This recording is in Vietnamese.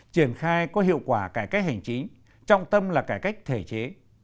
triển khai có hiệu quả cải cách hành trí trong tâm là cải cách thể chế